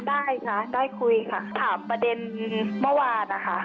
ได้ค่ะได้คุยค่ะถามประเด็นเมื่อวานนะคะ